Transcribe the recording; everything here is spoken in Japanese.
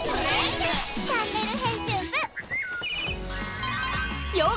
チャンネル編集部」へ！